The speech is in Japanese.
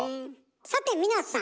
さて皆さん！